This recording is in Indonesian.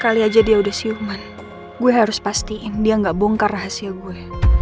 kali aja dia udah siuman gue harus pastiin dia gak bongkar hasil gue